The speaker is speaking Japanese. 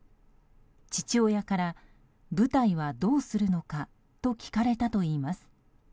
父親から、舞台はどうするのかと聞かれたといいます。